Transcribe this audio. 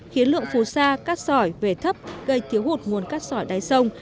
khiến lượng phù sa cát sỏi về thấp gây thiếu hụt nguồn cát sỏi đáy sông